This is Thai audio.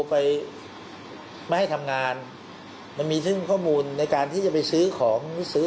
ไปไม่ให้ทำงานมันมีซึ่งข้อมูลในการที่จะไปซื้อของหรือซื้อ